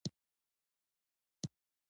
د افغانستان په منظره کې کندز سیند ښکاره دی.